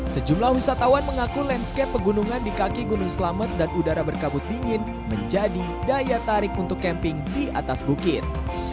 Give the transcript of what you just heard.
sejumlah wisatawan mengaku landscape pegunungan di kaki gunung selamet dan udara berkabut dingin menjadi daya tarik untuk camping di atas bukit